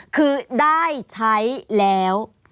คือได้ใช้แล้ว